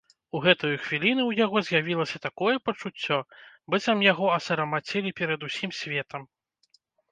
У гэтую хвіліну ў яго з'явілася такое пачуццё, быццам яго асарамацілі перад усім светам.